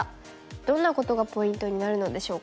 どんなことがポイントになるのでしょうか。